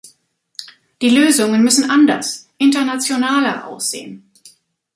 Die Lösungen müssen anders, internationaler aussehen.